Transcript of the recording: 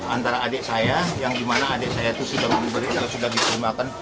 antara adik saya yang dimana adik saya itu sudah diberi dan sudah diperlukan